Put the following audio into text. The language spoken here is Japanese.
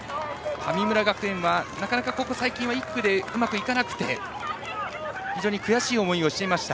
神村学園はなかなかここ最近は１区でうまくいかなくて非常に悔しい思いをしていました。